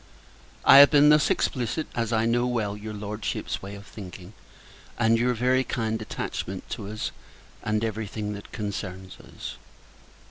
I have been thus explicit, as I know well your Lordship's way of thinking; and your very kind attachment to us, and to every thing that concerns us.